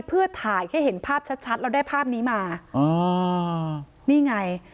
เพื่อถ่ายให้เห็นภาพชัดชัดแล้วได้ภาพนี้มาอ๋อนี่ไง